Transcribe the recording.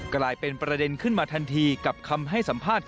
กลายเป็นประเด็นขึ้นมาทันทีกับคำให้สร้างแบบนี้